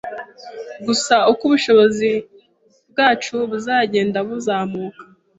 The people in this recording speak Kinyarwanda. gusa uko ubushobozi bwacu buzagenda buzamuka